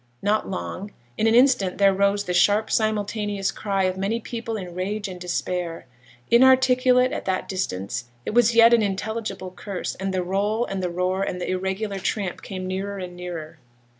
Not long; in an instant there rose the sharp simultaneous cry of many people in rage and despair. Inarticulate at that distance, it was yet an intelligible curse, and the roll, and the roar, and the irregular tramp came nearer and nearer.